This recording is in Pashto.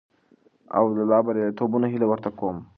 او د لا برياليتوبونو هيله ورته کوم.